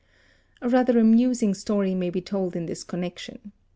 A rather amusing story may be told in this connection.